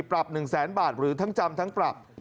ปรับ๑แสนบาทหรือทั้งจำทั้งปรับ